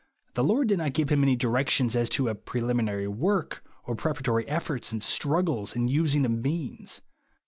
The Lord did not give him any directions as to a preliminary work, or pre paratory efforts, and struggles, and using of means.